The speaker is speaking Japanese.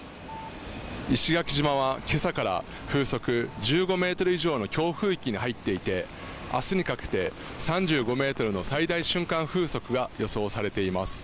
石垣島は今朝から風速１５メートル以上の強風域に入っていて明日にかけて３５メートルの最大瞬間風速が予想されています。